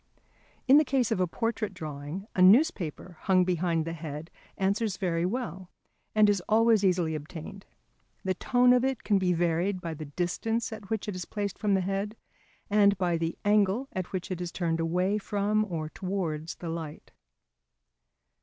In the case of a portrait drawing, a newspaper hung behind the head answers very well and is always easily obtained. The tone of it can be varied by the distance at which it is placed from the head, and by the angle at which it is turned away from or towards the light.